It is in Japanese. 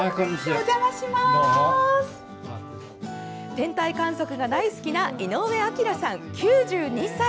天体観測が大好きな井上昭さん、９２歳。